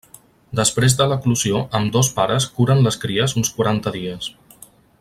Després de l'eclosió ambdós pares curen les cries uns quaranta dies.